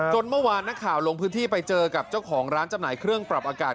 เมื่อวานนักข่าวลงพื้นที่ไปเจอกับเจ้าของร้านจำหน่ายเครื่องปรับอากาศ